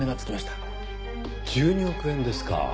１２億円ですか。